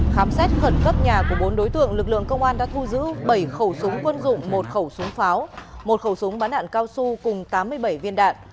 khám xét khẩn cấp nhà của bốn đối tượng lực lượng công an đã thu giữ bảy khẩu súng quân dụng một khẩu súng pháo một khẩu súng bắn đạn cao su cùng tám mươi bảy viên đạn